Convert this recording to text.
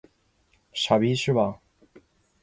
傻逼是吧？